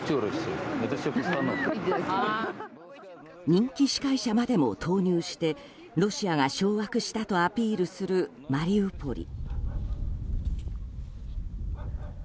人気司会者までも投入してロシアが掌握したとアピールするマリウポリ。